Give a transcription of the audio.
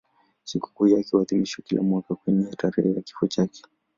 Sikukuu yake huadhimishwa kila mwaka kwenye tarehe ya kifo chake.